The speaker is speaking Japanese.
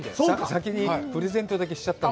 先にプレゼントだけしちゃったの。